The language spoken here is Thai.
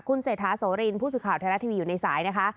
คุณเศรษฐาโสรินผู้สื่อข่าวไทยรัฐทีวีอยู่ในสายนะคะ